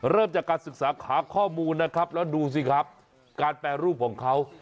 เริ่มจากการศึกษาขาข้อมูลนะครับแล้วดูสิครับการแปรรูปของเขา